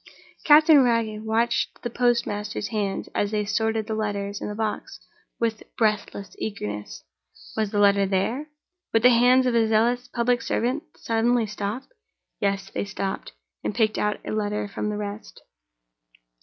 Captain Wragge watched the postmaster's hands, as they sorted the letters in the box, with breathless eagerness. Was the letter there? Would the hands of the zealous public servant suddenly stop? Yes! They stopped, and picked out a letter from the rest.